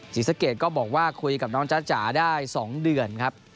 ศรีสะเกดก็บอกว่าคุยกับน้องจ๊ะจ๋าได้๒เดือนครับ